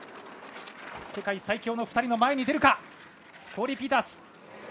世界最強の２人の前に出るかコーリー・ピータース。